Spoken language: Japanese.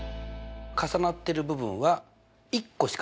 重なってる部分は１個しかない。